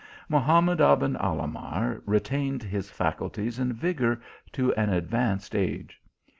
Mahamad Aben Alahmar retained his faculties and vigour to an advanced age.